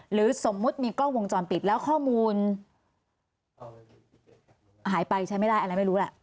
หรือสมมุติมีกล้องวงจรปิดแล้วข้อมูลหายไปใช้ไม่ได้อะไรไม่รู้แหละ